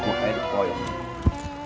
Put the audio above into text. aku ga ada poin